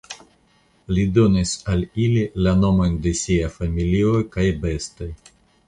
Li donis al ili la nomojn de sia familio kaj bestoj.